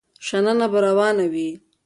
شننه به روانه وي.